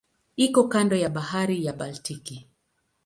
Iko kando ya Bahari ya Baltiki.